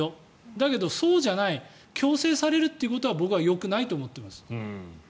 だけど、そうじゃない強制されることは僕はよくないと思ってるんです。